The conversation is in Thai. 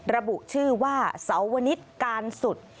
ระบุชื่อว่าสาวนิสการสุด